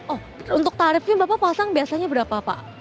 oh untuk tarifnya bapak pasang biasanya berapa pak